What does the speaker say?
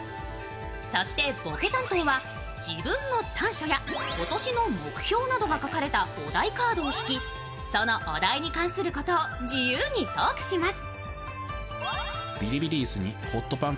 そしてボケ担当は自分の短所や今年の目標などが書かれたお題カードを引き、そのお題に関することを自由にトークします。